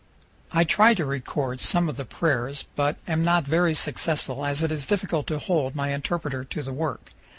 I try to record some of the prayers, but am not very successful, as it is difficult to hold my interpreter to the work.